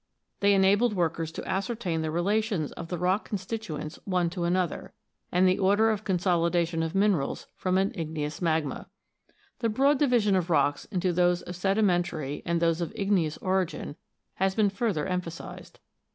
They enabled workers to ascertain the relations of the rock constituents one to another, and the order of consolidation of minerals from an igneous magma. The broad division of rocks into those of sedi mentary and those of igneous origin has been further emphasised.